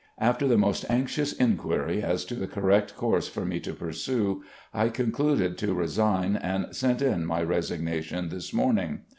After the most anxious inquiry as to the correct course for me to pursue, I concluded to resign, and sent in my resig nation this morning.